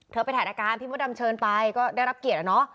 ไปถ่ายอาการพี่มดดำเชิญไปก็ได้รับเกียรติอะเนาะ